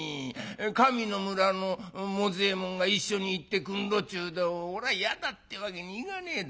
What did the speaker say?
上の村のもざえもんが一緒に行ってくんろちゅうでおらやだってわけにいかねえだ。